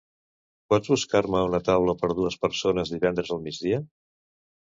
Pots buscar-me una taula per dues persones divendres al migdia?